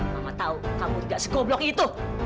mama tahu kamu tidak segoblok itu